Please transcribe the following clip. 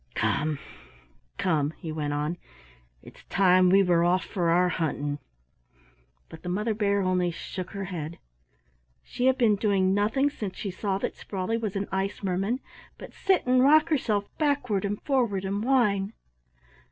Come, come," he went on, "it's time we were off for our hunting." But the Mother Bear only shook her head. She had been doing nothing since she saw that Sprawley was an ice merman but sit and rock herself backward and forward and whine.